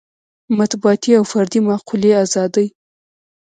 مطبوعاتي او فردي معقولې ازادۍ.